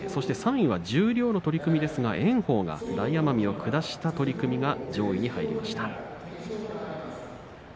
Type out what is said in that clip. ３位は十両の取組ですが炎鵬が大奄美を下した取り組みが上位に入りました。